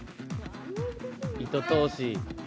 糸通し。